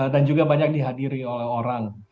dan juga banyak dihadiri oleh orang